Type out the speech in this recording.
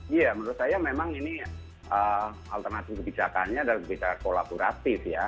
iya menurut saya memang ini alternatif kebijakannya adalah kebijakan kolaboratif ya